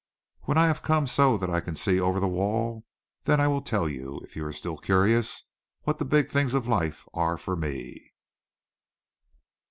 When I have come so that I can see over the wall, then I will tell you, if you are still curious, what the big things of life are for me!"